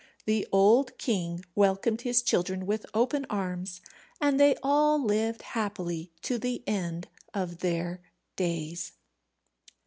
The old king welcomed his children with open arms, and they all lived happily to the end of their days.